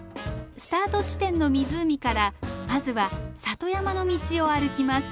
スタート地点の湖からまずは里山の道を歩きます。